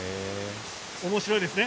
おもしろいですね。